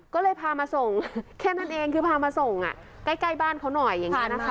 ก็เลยพามาส่งแค่นั้นเองคือพามาส่งใกล้บ้านเขาหน่อยอย่างนี้นะคะ